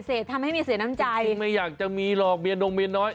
จริงไม่อยากจะมีหลอกเมียหนูเมียน้อย